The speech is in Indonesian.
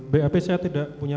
bap saya tidak punya